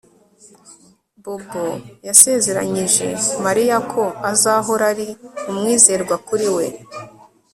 Bobo yasezeranyije Mariya ko azahora ari umwizerwa kuri we